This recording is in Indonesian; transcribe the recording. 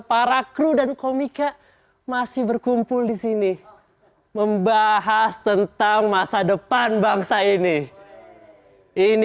para kru dan komika masih berkumpul di sini membahas tentang masa depan bangsa ini ini